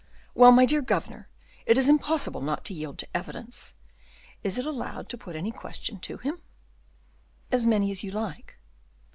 "Well, my dear governor, it is impossible not to yield to evidence. Is it allowed to put any question to him?" "As many as you like."